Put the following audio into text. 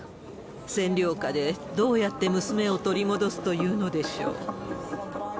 占領下で、どうやって娘を取り戻すというのでしょう。